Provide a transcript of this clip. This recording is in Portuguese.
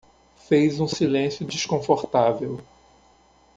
Fez um silêncio desconfortável.